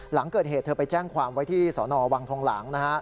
หลังเกิดเหตุเธอไปแจ้งความไว้ที่สนวังทองหลางนะฮะ